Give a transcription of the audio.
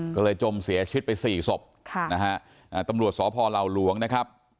ก็เลยจมเสียชีวิตไปสี่ศพตำรวจสพลลวงนะครับ